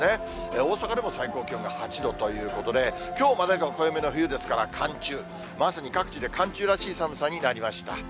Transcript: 大阪でも最高気温が８度ということで、きょうまでが暦の上の冬ですから、寒中、まさに各地で寒中らしい寒さになりました。